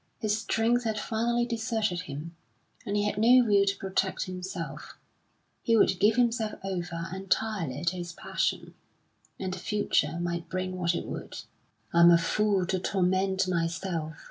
His strength had finally deserted him, and he had no will to protect himself; he would give himself over entirely to his passion, and the future might bring what it would. "I'm a fool to torment myself!"